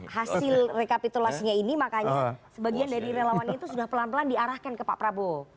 hasil rekapitulasinya ini makanya sebagian dari relawan itu sudah pelan pelan diarahkan ke pak prabowo